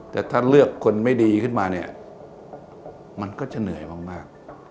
แต่ถ้าเลือกคนไม่ดีขึ้นมาเนี่ยมันก็จะเหนื่อยมาก